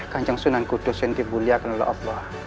kanjang sunan kudus yang dibulihakan oleh allah